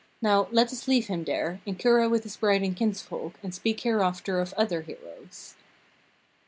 Now let us leave him there, and Kura with his bride and kinsfolk, and speak hereafter of other heroes.